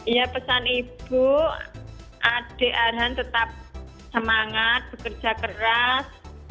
ya pesan ibu adik arhan tetap semangat bekerja keras